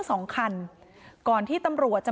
นางศรีพรายดาเสียยุ๕๑ปี